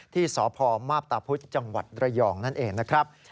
ที่สพมาพตาพุธจังหวัดระยองนั่นเองนะครับ